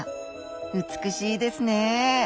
美しいですね！